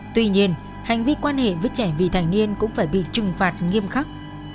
tuy nhiên hành vi quan hệ với trẻ vị thành niên cũng phải bị trừng phạt nghiêm khắc